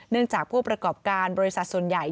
จากผู้ประกอบการบริษัทส่วนใหญ่